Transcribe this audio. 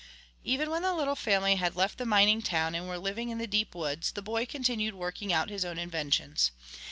Even when the little family had left the mining town and were living in the deep woods the boy continued working out his own inventions.